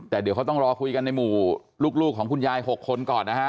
แต่เดี๋ยวเขาต้องรอคุยกันในหมู่ลูกของคุณยาย๖คนก่อนนะฮะ